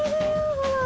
ほら。